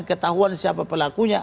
ketahuan siapa pelakunya